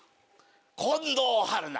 近藤春菜。